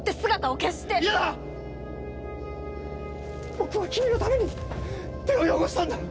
僕は君のために手を汚したんだ！